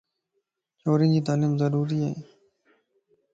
ڇورين جي تعليم ضروري ائي.